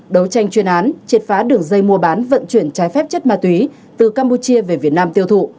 đấu tranh chuyên án triệt phá đường dây mua bán vận chuyển trái phép chất ma túy từ campuchia về việt nam tiêu thụ